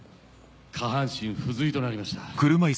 下半身不随となりました。